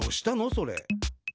それ。